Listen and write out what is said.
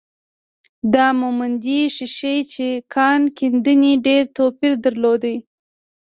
دا موندنې ښيي چې کان کیندنې ډېر توپیر درلود.